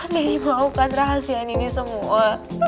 deddy mau kan rahasiaan ini semua